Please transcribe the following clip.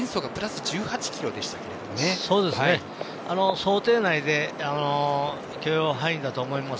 想定内で許容範囲だと思います。